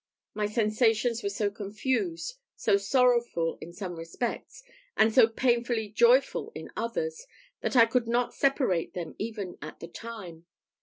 My sensations were so confused, so sorrowful in some respects, and so painfully joyful in others, that I could not separate them even at the time.